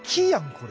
これ。